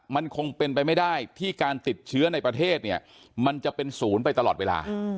มันคงเป็นไปไม่ได้ที่การติดเชื้อในประเทศเนี่ยมันจะเป็นศูนย์ไปตลอดเวลา